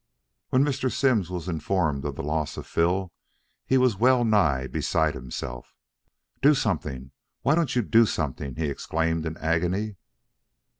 When Mr. Simms was informed of the loss of Phil, he was well nigh beside himself. "Do something! Why don't you do something?" he exclaimed in agony.